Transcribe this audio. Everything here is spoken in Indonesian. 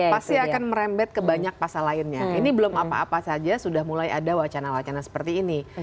pasti akan merembet ke banyak pasal lainnya ini belum apa apa saja sudah mulai ada wacana wacana seperti ini